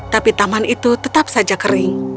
tapi taman itu tetap saja kering